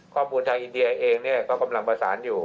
ข้อมูลทางอินเดียเองเนี่ยก็กำลังประสานอยู่